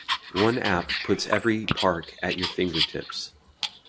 One app puts every park at your fingertips.